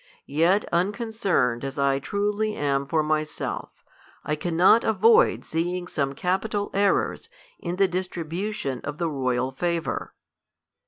Yet, un concerned as I truly am for myself, I cannot avoid see ing some capital errors in the distribution of the royal favour.